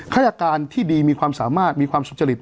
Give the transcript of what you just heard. ฆาตการที่ดีมีความสามารถมีความสุจริต